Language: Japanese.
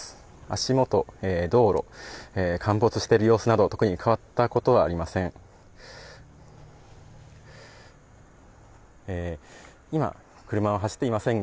足元、道路、陥没してる様子など、特に変わったことはありません。